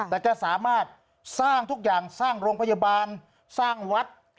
แต่แกสามารถสร้างทุกอย่างสร้างโรงพยาบาลสร้างวัด